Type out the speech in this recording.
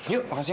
yuk makasih ya